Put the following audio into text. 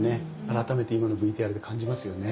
改めて今のＶＴＲで感じますよね。